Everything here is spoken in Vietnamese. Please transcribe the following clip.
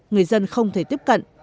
người dân không thể tiếp cận